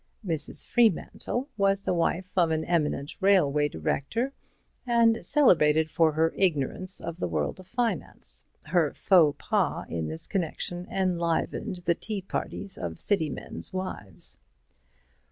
Mrs. Freemantle was the wife of an eminent railway director, and celebrated for her ignorance of the world of finance. Her faux pas in this connection enlivened the tea parties of city men's wives.